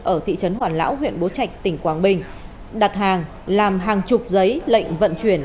ở thị trấn hoàn lão huyện bố trạch tỉnh quảng bình đặt hàng làm hàng chục giấy lệnh vận chuyển